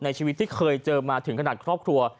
ชีวิตที่เคยเจอมาถึงขนาดครอบครัว